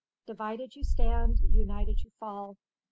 Divided you stand, united you fall.